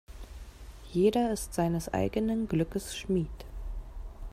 Jeder ist seines eigenen Glückes Schmied.